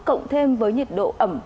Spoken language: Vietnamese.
cộng thêm với nhiệt độ ẩm